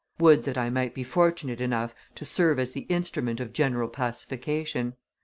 Would that I might be fortunate enough to serve as the instrument of general pacification.